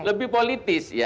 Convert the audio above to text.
lebih politis ya